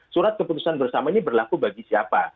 surat keputusan bersama ini berlaku bagi siapa